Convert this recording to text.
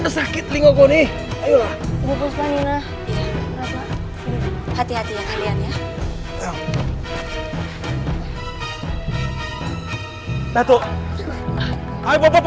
sampai jumpa di video selanjutnya